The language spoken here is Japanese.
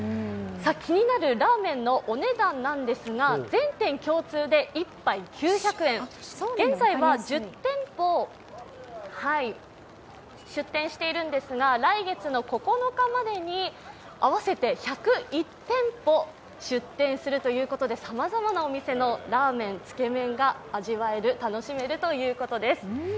気になるラーメンのお値段なんですが全店共通で１杯９００円、現在は１０店舗出店しているんですが来月９日までに合わせて１０１店舗出店するということでさまざまなお店のラーメン、つけ麺が味わえる楽しめるということです。